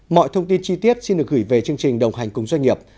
mọi thông tin chi tiết xin được gửi về chương trình đồng hành cùng doanh nghiệp